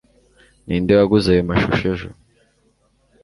ninde waguze ayo mashusho ejo